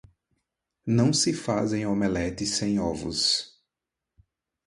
Não se fazem omeletes sem ovos.